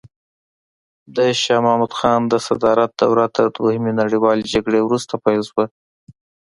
د شاه محمود خان د صدارت دوره تر دوهمې نړیوالې جګړې وروسته پیل شوه.